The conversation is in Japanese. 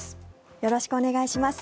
よろしくお願いします。